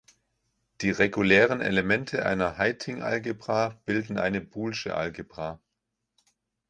Die regulären Elemente einer Heyting-Algebra bilden eine Boolesche Algebra.